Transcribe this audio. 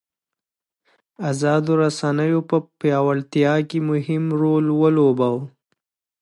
ازادو رسنیو په پیاوړتیا کې مهم رول ولوباوه.